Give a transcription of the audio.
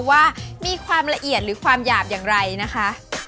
ว่ามีความละเอียดหรือความหยาบอย่างไรนะคะ